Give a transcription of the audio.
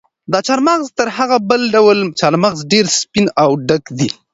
دا چهارمغز تر هغه بل ډول چهارمغز ډېر سپین او ډک دي.